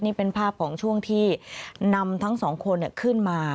นี่เป็นภาพของช่วงที่นำทั้งสองคนขึ้นมา